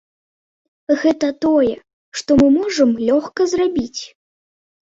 Гэта тое, што мы можам лёгка зрабіць.